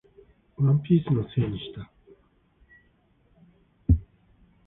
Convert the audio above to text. ワンピースのせいにした